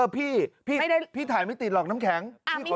พี่พี่ถ่ายไม่ติดหรอกน้ำแข็ง